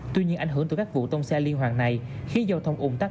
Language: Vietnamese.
tuy nhiên ảnh hưởng từ các vụ tông xe liên hoàn này khiến giao thông ủng tắc